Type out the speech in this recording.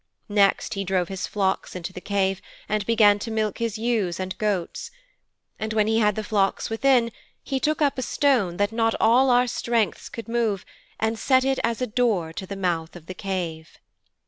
Next he drove his flocks into the cave and began to milk his ewes and goats. And when he had the flocks within, he took up a stone that not all our strengths could move and set it as a door to the mouth of the cave.'